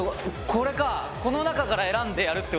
これかこの中から選んでやるってことか。